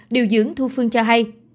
điều dưỡng thu phương cho hay